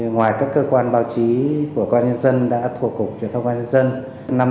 ngoài các cơ quan báo chí của công an nhân dân đã thuộc cục truyền thông công an nhân dân